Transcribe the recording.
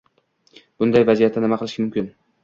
Bunday vaziyatda nima qilish mumkin?